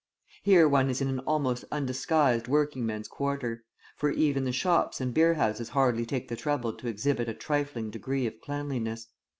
Here one is in an almost undisguised working men's quarter, for even the shops and beerhouses hardly take the trouble to exhibit a trifling degree of cleanliness.